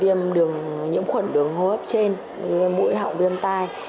viêm đường nhiễm khuẩn đường hô hấp trên mũi họng viêm tai